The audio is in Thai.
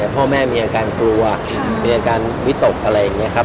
พ่อแม่มีอาการกลัวมีอาการวิตกอะไรอย่างนี้ครับ